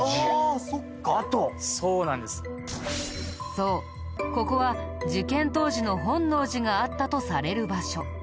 そうここは事件当時の本能寺があったとされる場所。